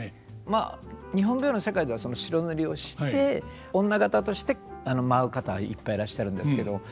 まあ日本舞踊の世界では白塗りをして女方として舞う方いっぱいいらっしゃるんですけど。